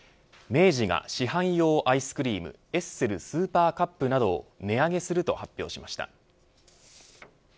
明治が市販用アイスクリームエッセルスーパーカップなどを値上げすると発表しました。